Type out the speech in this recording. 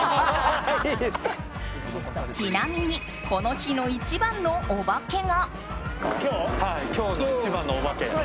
ちなみにこの日の一番のオバケが。